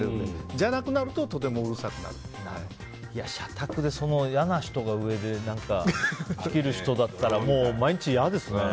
じゃなくなると社宅で嫌な人が上で仕切る人だったら毎日嫌ですね。